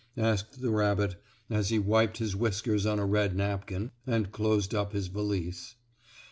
asked the rabbit, as he wiped his whiskers on a red napkin, and closed up his valise.